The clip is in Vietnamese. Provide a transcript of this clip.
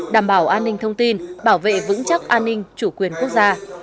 đảm bảo an ninh thông tin bảo vệ vững chắc an ninh chủ quyền quốc gia